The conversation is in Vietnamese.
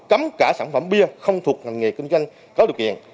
cấm cả sản phẩm bia không thuộc ngành nghề kinh doanh có điều kiện